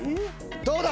どうだ？